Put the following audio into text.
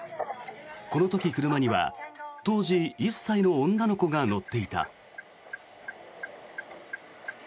この時、車には当時１歳の女の子が乗っていた。